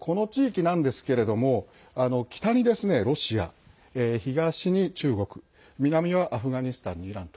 この地域なんですけれども北にロシア、東に中国南はアフガニスタンにイランと。